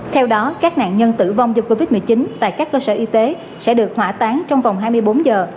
theo đó các nạn nhân tử vong do covid một mươi chín tại các cơ sở y tế sẽ được hỏa táng trong vòng hai mươi bốn giờ